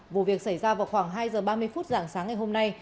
vụ việc xảy ra vào khoảng hai h ba mươi phút giảng sáng ngày hôm nay